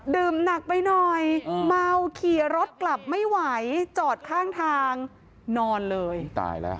หนักไปหน่อยเมาขี่รถกลับไม่ไหวจอดข้างทางนอนเลยตายแล้ว